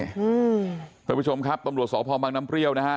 ท่านผู้ชมครับตำรวจสพบังน้ำเปรี้ยวนะฮะ